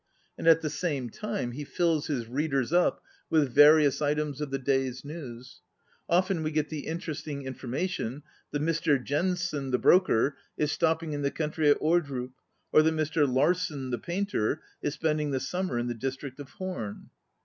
And at the same time he 18 ON READING fills his readers up with various items of the day's news; often we get the interesting information that Mr. Jensen, the broker, is stopping in the country at Ordrup; or that Mr. ^ Larsen, the painter, is spending the summer in the district of Horn.